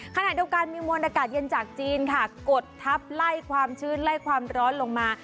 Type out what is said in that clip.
ขณะเดียวกันมีมวลอากาศเย็นจากจีนค่ะกดทับไล่ความชื้นไล่ความร้อนลงมา